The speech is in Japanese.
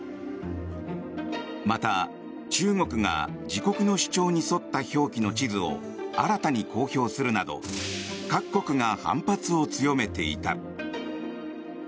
また中国が自国の主張に沿った表記の地図を新たに公表するなど各国が反発を強めていた。